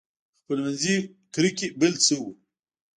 خپلمنځي کرکې بل څه وو.